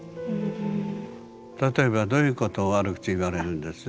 例えばどういうこと悪口言われるんです？